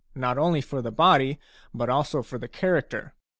not only for the body but also for the character.